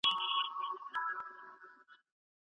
هغه توره دریشي اغوستې وه.